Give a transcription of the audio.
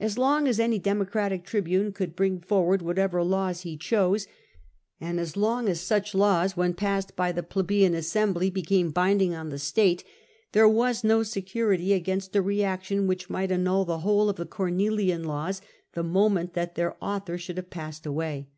As long as any Democratic tribune could bring forward whatever bills he chose, and as long as such bills, when passed by the Plebeian assembly, became binding on the state, there w^as no security against a reaction that might annul the whole of the Cornelian Laws the moment that their author should have passed away.